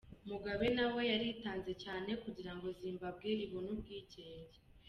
Mugabe nawe yaritanze cyane kugira ngo Zimbabwe ibone ubwigenge.